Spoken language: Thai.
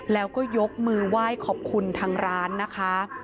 แล้วก็ยกมือไหว้ขอบคุณทางร้านนะคะ